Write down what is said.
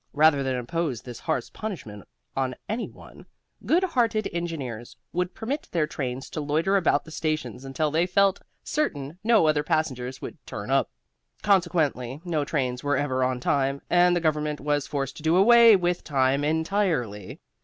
Rather than impose this harsh punishment on any one, good hearted engineers would permit their trains to loiter about the stations until they felt certain no other passengers would turn up. Consequently no trains were ever on time, and the Government was forced to do away with time entirely.